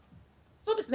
そうですね。